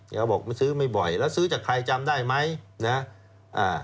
เขาบอกมันซื้อไม่บ่อยแล้วซื้อจากใครจำได้ไหมนะอ่า